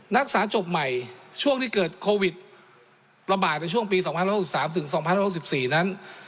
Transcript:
นักศึกษาจบใหม่ช่วงที่เกิดโควิดระบาดในช่วงปี๒๐๖๓ถึง๒๐๖๔นั้น